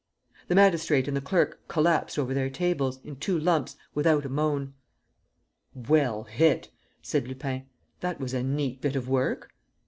The magistrate and the clerk collapsed over their tables, in two lumps, without a moan. "Well hit!" said Lupin. "That was a neat bit of work."